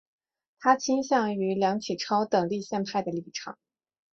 他倾向于梁启超等立宪派的立场。